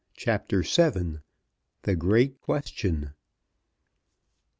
CHAPTER VII. THE GREAT QUESTION.